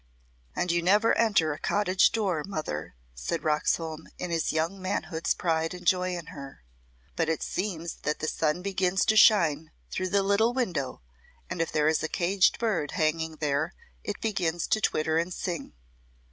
"And you never enter a cottage door, mother," said Roxholm in his young manhood's pride and joy in her, "but it seems that the sun begins to shine through the little window, and if there is a caged bird hanging there it begins to twitter and sing.